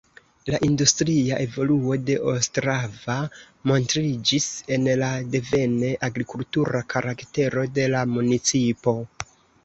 La industria evoluo de Ostrava montriĝis en la devene agrikultura karaktero de la municipo.